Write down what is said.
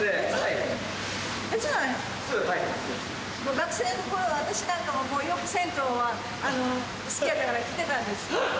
学生の頃は私なんかもよく銭湯は好きやったから来てたんです。